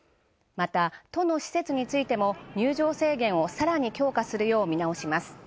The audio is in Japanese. また、都の施設についても入場制限をさらに強化するよう見直します。